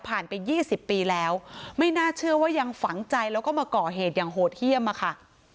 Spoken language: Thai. ผ่านเป็นยี่สิบปีแล้วไม่น่าเชื่อว่ายังฝังใจแล้วก็มาเกาะเหตุอย่างโหดเที่ยมอ่ะค่ะ